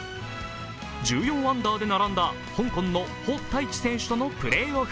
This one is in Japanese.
１４アンダーで並んだ香港のホ・タイチ選手とのプレーオフ。